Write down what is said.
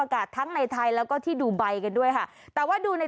อากาศทั้งในไทยแล้วก็ที่ดูไบกันด้วยค่ะแต่ว่าดูใน